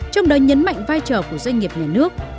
trong đó nhấn mạnh vai trò của doanh nghiệp nhà nước